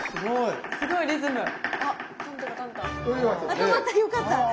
あ止まったよかった。